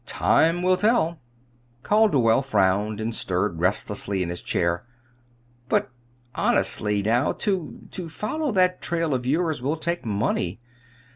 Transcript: "Time will tell." Calderwell frowned and stirred restlessly in his chair. "But, honestly, now, to to follow that trail of yours will take money.